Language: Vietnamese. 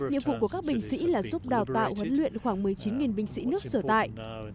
nhiệm vụ của các binh sĩ là giúp đào tạo huấn luyện khoảng một mươi chín binh sĩ nước sở tại